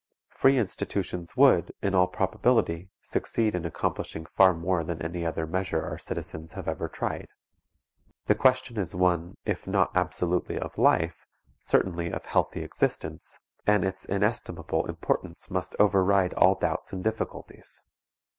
Free institutions would, in all probability, succeed in accomplishing far more than any other measure our citizens have ever tried. The question is one, if not absolutely of life, certainly of healthy existence, and its inestimable importance must over ride all doubts and difficulties.